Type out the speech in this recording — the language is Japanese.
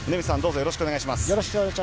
よろしくお願いします。